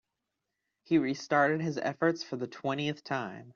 He restarted his efforts for the twentieth time.